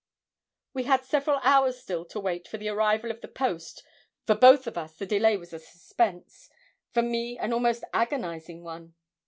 We had several hours still to wait for the arrival of the post. For both of us the delay was a suspense; for me an almost agonising one.